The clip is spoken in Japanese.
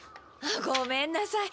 ごめんなさい。